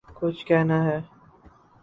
کچھ کہنا ہے